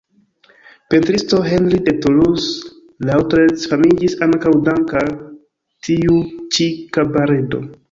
Pentristo Henri de Toulouse-Lautrec famiĝis ankaŭ danke al tiu ĉi kabaredo.